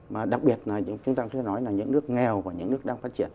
mà đặc biệt là chúng ta có thể nói là những nước nghèo và những nước đang phát triển